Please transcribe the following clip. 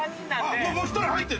もう１人入ってる。